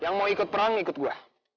yang mau ikut perang ikut gue